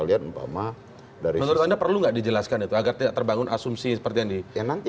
lihat empama dari anda perlu nggak dijelaskan itu agar tidak terbangun asumsi seperti ini yang nanti